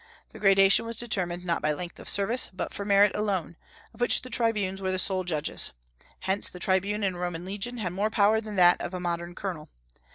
The gradation was determined not by length of service, but for merit alone, of which the tribunes were the sole judges; hence the tribune in a Roman legion had more power than that of a modern colonel.